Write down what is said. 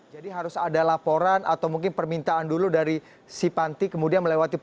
jadi harus ada laporan atau mungkin permintaan dulu dari si panti kemudian melewati panti ini